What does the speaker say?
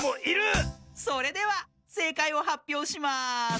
それではせいかいをはっぴょうします。